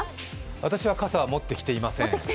私は傘は持ってきていません。